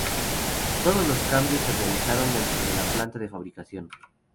Todos los cambios, se realizaron dentro de la planta de fabricación.